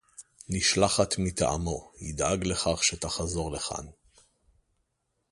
נשלחת מטעמו, ידאג לכך שתחזור לכאן